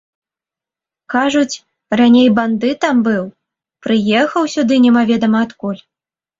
Кажуць, раней бандытам быў, прыехаў сюды немаведама адкуль.